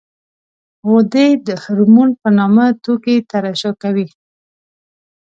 غدې د هورمون په نامه توکي ترشح کوي.